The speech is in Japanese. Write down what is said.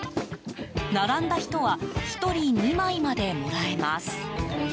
並んだ人は１人２枚までもらえます。